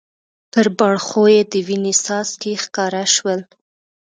پر باړخو یې د وینې څاڅکي ښکاره شول.